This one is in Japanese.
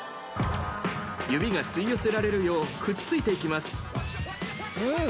指が吸い寄せられるようくっついていきます。